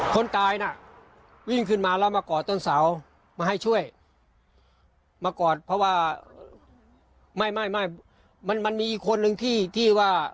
คนตายน่ะวิ่งขึ้นมาแล้วมากอดต้นเสามาให้ช่วยมากอดเพราะว่าไม่ไม่มันมันมีอีกคนนึงที่ที่ว่า